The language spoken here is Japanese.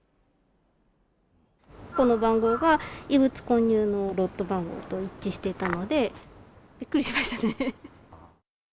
この番号が異物混入のロット番号と一致していたので、びっくりしましたね。